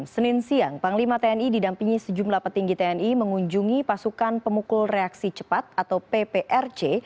senin siang panglima tni didampingi sejumlah petinggi tni mengunjungi pasukan pemukul reaksi cepat atau pprc